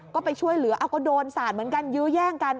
ก็ไปช่วยเหลือเอาก็โดนสาดเหมือนกันยื้อแย่งกัน